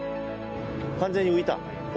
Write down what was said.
完全に浮いた。